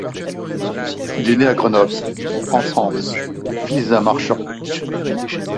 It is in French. Il est né à Grenoble, en France, fils d'un marchand.